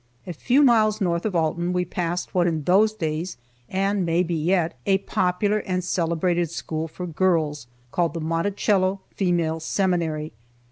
A few miles north of Alton we passed what was in those days (and may be yet) a popular and celebrated school for girls, called the "Monticello Female Seminary."